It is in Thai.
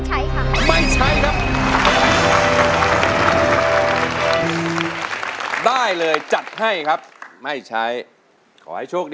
ถึงเขาหลอแม่เต็มใจของฉัน